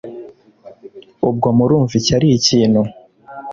ubwo murumva icyo ari ikintu